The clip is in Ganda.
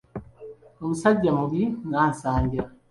Omusajja mubi nga Nsanja.